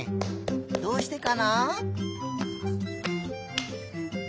どうしてかな？